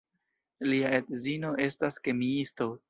Lia edzino estas kemiisto.